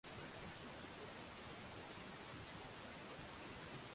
mwenye hamasa kwao Baadhi ya wakosoaji wake